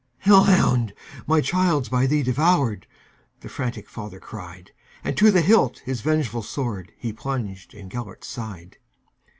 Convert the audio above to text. "Hell hound! my child 's by thee devoured,"The frantic father cried; And to the hilt his vengeful swordHe plunged in Gêlert's side.